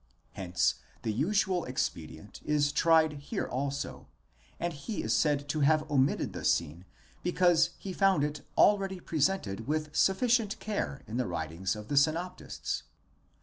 Hence the usual expedient is tried here also, and he is said to have omitted the scene because he found it already presented with sufficient care in the writings of the synoptists.!